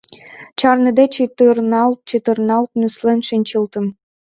Чарныде чытырналт-чытырналт нюслен шинчылтым.